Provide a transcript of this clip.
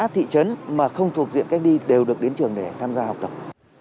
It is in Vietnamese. thị trấn mà không thuộc diện cách đi đều được đến trường để tham gia học tập